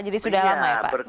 jadi sudah lama ya pak